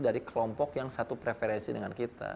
dari kelompok yang satu preferensi dengan kita